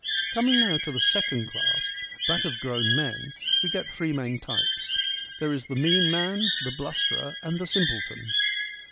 Coming now to the second class, that of grown men, we get three main types : there is the mean man, the blusterer, and the simpleton.